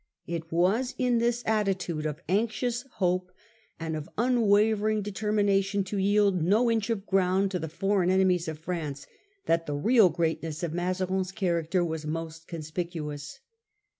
It was in this attitude of anxious hope and of unwavering determination to yield no gich of t 2 52 The New Fronde. 1649 ground to the foreign enemies of France that the real greatness of Mazarin's character was most conspicuous.